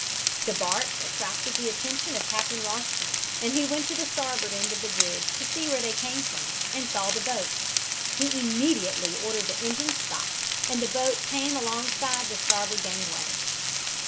The barks attracted the attention of Captain Rostron; and he went to the starboard end of the bridge to see where they came from and saw the boat. He immediately ordered the engines stopped, and the boat came alongside the starboard gangway.